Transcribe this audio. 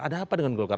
ada apa dengan golkar